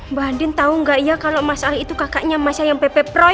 mbak anyan tahu nggaknya ifo aa'li itu kaka keine masi yang mabepat a proy